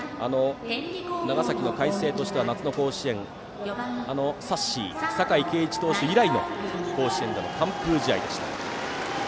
長崎の海星としては夏の甲子園ではサッシー、酒井圭一投手以来の甲子園での完封試合でした。